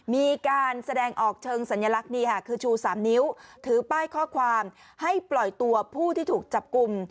มีการแสดงออกเชิงสัญลักษณ์นี่ค่ะคือชู๓นิ้วถือป้ายข้อความให้ปล่อยตัวผู้ที่ถูกจับกลุ่ม